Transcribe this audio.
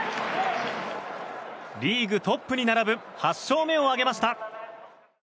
リーグトップに並ぶ８勝目を挙げました。